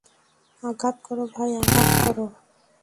আঘাত করো, ভাই, আঘাত করো।